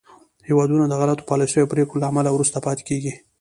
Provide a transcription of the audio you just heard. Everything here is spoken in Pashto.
هېوادونه د غلطو پالیسیو او پرېکړو له امله وروسته پاتې کېږي